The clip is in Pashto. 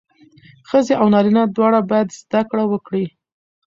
ښځې او نارینه دواړه باید زدهکړه وکړي.